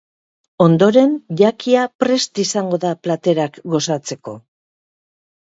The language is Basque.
Ondoren jakia prest izango da platerak gozatzeko.